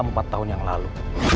empat tahun yang lalu